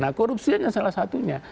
nah korupsi aja salah satunya